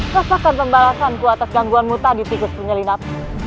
rasakan pembalasan ku atas gangguan muta di tikus penyelinap